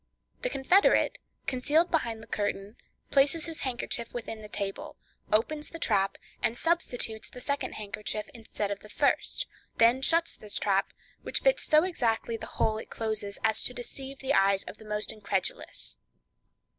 The confederate, concealed behind the curtain, passes his hand within the table, opens the trap, and substitutes the second handkerchief instead of the first; then shuts the trap, which fits so exactly the hole it closes as to deceive the eyes of the most incredulous.